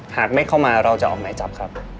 หากไม่เข้ามาเราจะออกหมายจับครับ